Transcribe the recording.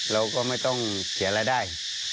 เราก็ไม่ต้องเสียรายได้